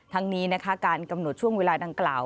ทั้งนี้นะคะการกำหนดช่วงเวลาดังกล่าว